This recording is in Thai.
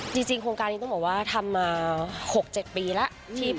จริงโครงการนี้ต้องบอกว่าทำมา๖๗ปีแล้ว